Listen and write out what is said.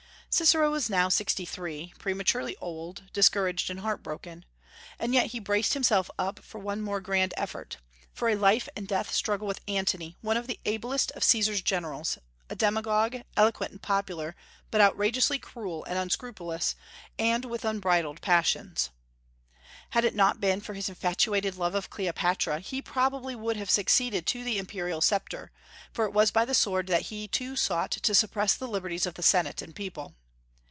Cicero was now sixty three, prematurely old, discouraged, and heart broken. And yet he braced himself up for one more grand effort, for a life and death struggle with Antony, one of the ablest of Caesar's generals; a demagogue, eloquent and popular, but outrageously cruel and unscrupulous, and with unbridled passions. Had it not been for his infatuated love of Cleopatra, he probably would have succeeded to the imperial sceptre, for it was by the sword that he too sought to suppress the liberties of the Senate and people.